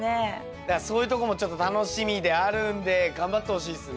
だからそういうとこもちょっと楽しみであるんで頑張ってほしいっすね。